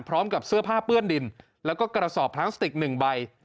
พร้อมกับเสื้อผ้าเปื้อนดินแล้วก็กระสอบพลาสติก๑ใบ